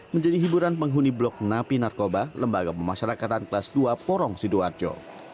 menjadi hiburan penghuni blok napi narkoba lembaga pemasyarakatan kelas dua porong sidoarjo